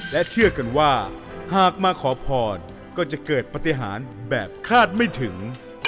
และเชื่อกันว่าหากมาขอพรก็จะเกิดปฏิหารแบบคาดไม่ถึง